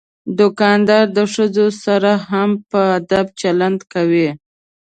دوکاندار د ښځو سره هم په ادب چلند کوي.